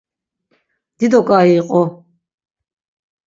Dido ǩai iqu.